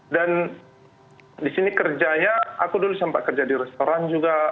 dan di sini kerjanya aku dulu sampai kerja di restoran juga